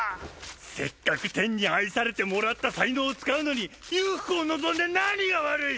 せっかく天に愛されてもらった才能を使うのに裕福を望んで何が悪い！